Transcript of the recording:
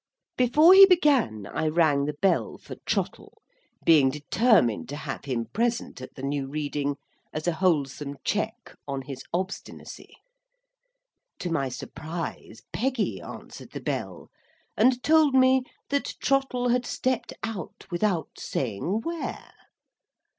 Before he began, I rang the bell for Trottle; being determined to have him present at the new reading, as a wholesome check on his obstinacy. To my surprise Peggy answered the bell, and told me, that Trottle had stepped out without saying where.